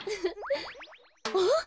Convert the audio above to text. あっ？